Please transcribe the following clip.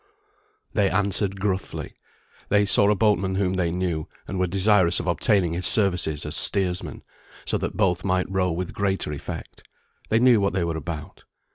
They answered gruffly. They saw a boatman whom they knew, and were desirous of obtaining his services as steersman, so that both might row with greater effect. They knew what they were about.